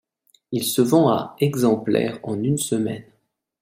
Il se vend à exemplaires en une semaine.